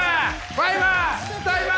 ファイバー！